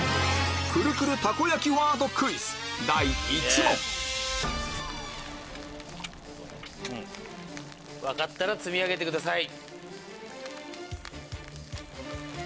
第１問分かったら積み上げてください。